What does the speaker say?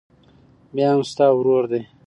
بيا هم ستا ورور دى.